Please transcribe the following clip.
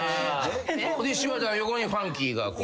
で柴田の横にファンキーがこう。